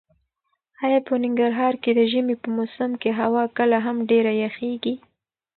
ایا په ننګرهار کې د ژمي په موسم کې هوا کله هم ډېره یخیږي؟